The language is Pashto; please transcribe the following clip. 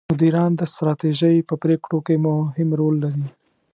مدیران د ستراتیژۍ په پرېکړو کې مهم رول لري.